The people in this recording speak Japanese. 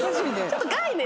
ちょっと概念